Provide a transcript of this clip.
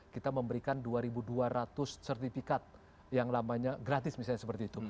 kita memberikan dua dua ratus sertifikat yang namanya gratis misalnya seperti itu